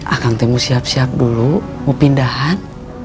akang teh mau siap siap dulu mau pindahan